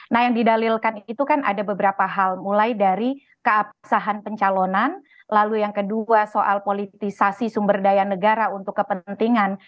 nah yang didalilkan itu kan ada beberapa hal mulai dari keabsahan pencalonan lalu yang kedua soal politisasi sumber daya negara untuk kepentingan